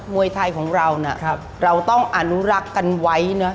มวยไทยของเรานะเราต้องอนุรักษ์กันไว้นะ